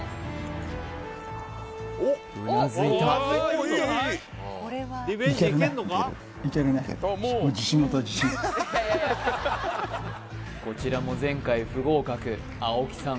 うなずいたこちらも前回不合格青木さん